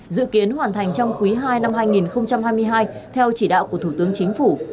dự kiến hoàn thành trong quý ii năm hai nghìn hai mươi hai theo chỉ đạo của thủ tướng chính phủ